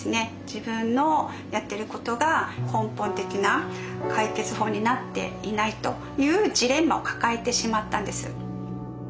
自分のやってることが根本的な解決法になっていないというジレンマを抱えてしまったんです。